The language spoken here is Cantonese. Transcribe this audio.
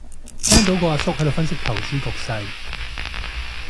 聽到個阿叔喺度分析投資局勢